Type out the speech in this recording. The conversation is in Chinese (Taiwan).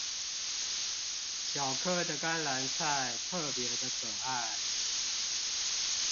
小顆的甘藍菜特別的可愛